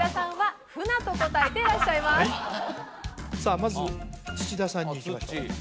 まず土田さんにいきましょうか